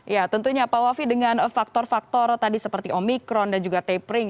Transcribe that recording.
ya tentunya pak wafi dengan faktor faktor tadi seperti omikron dan juga tapering